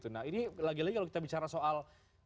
nah ini lagi lagi kalau kita bicara soal